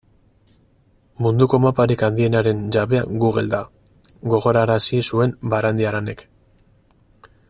Munduko maparik handienaren jabea Google da, gogorarazi zuen Barandiaranek.